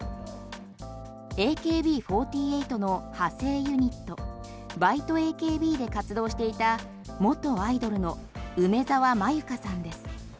ＡＫＢ４８の派生ユニットバイトＡＫＢで活動していた元アイドルの梅澤愛優香さんです。